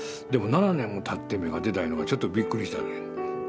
でも７年もたって芽が出たいうのがちょっとびっくりしたね。